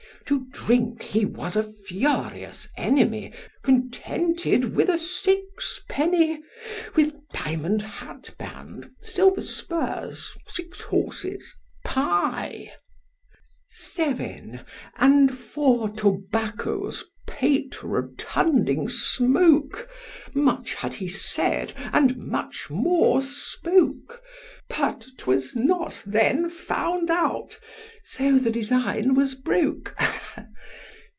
To drink he was a furious enemy Contented with a six penny (with diamond hatband, silver spurs, six horses.) pie VII. And for tobacco's pate rotunding smoke, Much had he said, and much more spoke, But 'twas not then found out, so the design was broke.